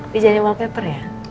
di jadinya wallpaper ya